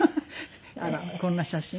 あらこんな写真。